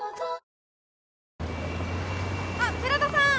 あっ寺田さん